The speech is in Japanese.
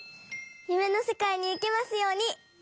ゆめのせかいにいけますように。